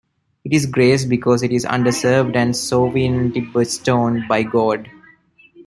It is grace because it is undeserved and sovereignly bestowed by God.